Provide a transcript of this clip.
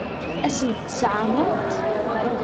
Ad sent-tt-tɛeṛḍemt?